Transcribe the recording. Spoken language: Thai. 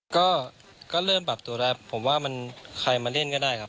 ก็เริ่มปรับตัวได้ผมว่ามันใครมาเล่นก็ได้ครับ